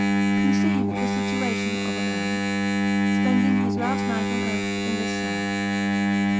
Conceive the situation of a man, spending his last night on earth in this cell.